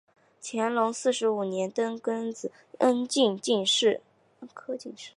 乾隆四十五年登庚子恩科进士。